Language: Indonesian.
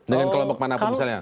dengan kelompok manapun misalnya